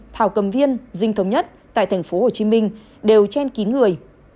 thảo cầm viên dinh thống nhất tại thành phố hồ chí minh đều chen ký người